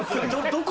どこ？